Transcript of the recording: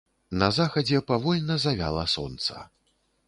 На захадзе павольна завяла сонца.